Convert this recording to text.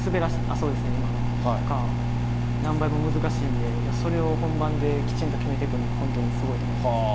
そうですね、今のとか、何倍も難しいんで、それを本番できちんと決めてくるのは、本当にすごいと思います。